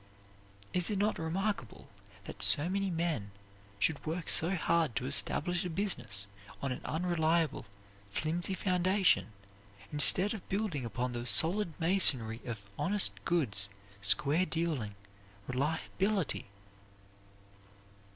Is it not remarkable that so many men should work so hard to establish a business on an unreliable, flimsy foundation, instead of building upon the solid masonry of honest goods, square dealing, reliability?